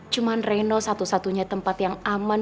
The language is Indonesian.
cuma reno satu satunya tempat yang aman